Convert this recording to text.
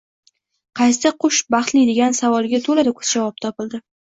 qaysi qush baxtli degan savoliga to‘la-to‘kis javob topibdi